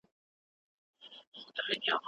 مړ مار په ډګر کي د ږغ او پاڼي لاندې و.